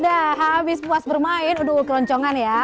nah habis puas bermain udah keloncongan ya